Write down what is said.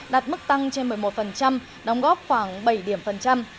giá tăng trên một mươi một đóng góp khoảng bảy điểm phần trăm